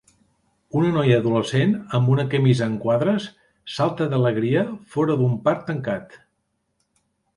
Una noia adolescent amb una camisa amb quadres salta d'alegria fora d'un parc tancat.